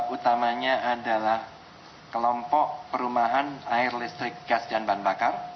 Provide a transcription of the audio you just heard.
bersama dengan bps bps menilai pengendalian harga bahan pangan oleh pemerintah sepanjang dua ribu tujuh belas cukup berhasil